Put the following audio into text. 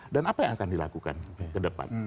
dan apa yang akan dilakukan ke depan